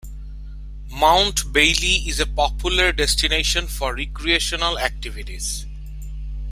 Mount Bailey is a popular destination for recreational activities.